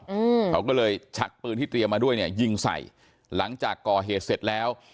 อืมเขาก็เลยชักปืนที่เตรียมมาด้วยเนี่ยยิงใส่หลังจากก่อเหตุเสร็จแล้ว